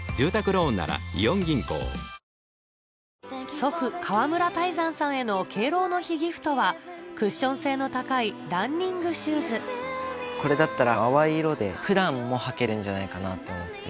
祖父川村泰山さんへの敬老の日ギフトはクッション性の高いこれだったら淡い色で普段も履けるんじゃないかなと思って。